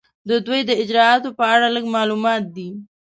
د دوی د اجرااتو په اړه لږ معلومات دي.